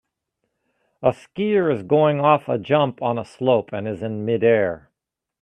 A skier is going off a jump on a slope, and is in midair.